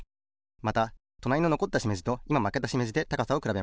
またとなりののこったしめじといままけたしめじで高さをくらべます。